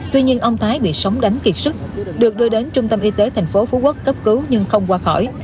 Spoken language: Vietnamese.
tuy nhiên ông thái bị sóng đánh kiệt sức được đưa đến trung tâm y tế thành phố phú quốc cấp cứu nhưng không qua khỏi